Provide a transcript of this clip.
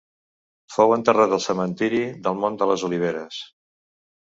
Fou enterrat al Cementiri del Mont de les Oliveres.